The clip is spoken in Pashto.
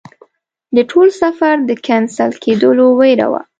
د ټول سفر د کېنسل کېدلو ویره وه.